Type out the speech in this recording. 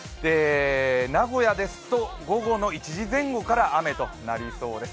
名古屋ですと午後の１時前後から雨となりそうです。